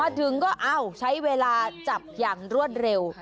ถึงก็เอ้าใช้เวลาจับอย่างรวดเร็ว